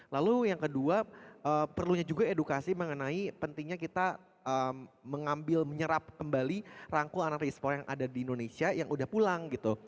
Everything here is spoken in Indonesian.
lalu yang kedua perlunya juga edukasi mengenai pentingnya kita mengambil menyerap kembali rangkul anak anak ekspor yang ada di indonesia yang udah pulang gitu